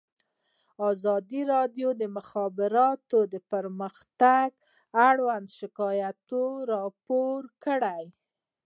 ازادي راډیو د د مخابراتو پرمختګ اړوند شکایتونه راپور کړي.